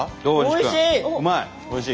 おいしい！